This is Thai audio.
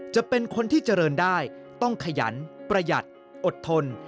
จะเป็นคนที่เจริญได้ต้องขยันประหยัดอดทน